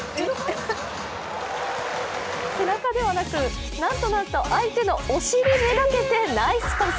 背中ではなく、なんとなんと相手のお尻目がけてナイスパス。